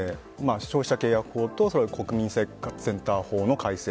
消費者契約法と国民生活センター法の改正。